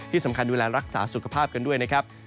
ที่สำคัญดูแลรักษาสุขภาพกันด้วยนะครับ